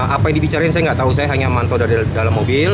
apa yang dibicarain saya nggak tahu saya hanya mantau dari dalam mobil